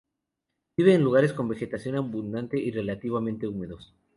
Vive en lugares con vegetación abundante y relativamente húmedos.